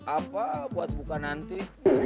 apa buat buka nanti